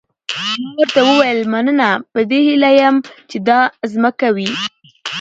ما ورته وویل مننه په دې هیله یم چې دا مځکه وي.